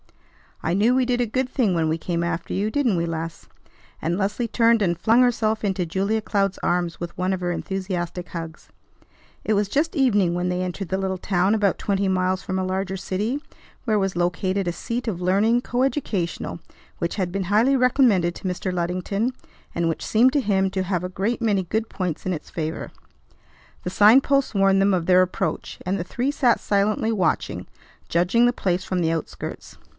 I knew we did a good thing when we came after you. Didn't we, Les?" And Leslie turned and flung herself into Julia Cloud's arms with one of her enthusiastic hugs. It was just evening when they entered the little town about twenty miles from a larger city, where was located a seat of learning, co educational, which had been highly recommended to Mr. Luddington, and which seemed to him to have a great many good points in its favor. The sign posts warned them of their approach; and the three sat silently watching, judging the place from the outskirts.